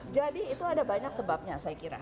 jadi itu ada banyak sebabnya saya kira